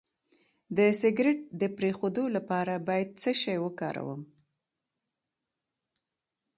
د سګرټ د پرېښودو لپاره باید څه شی وکاروم؟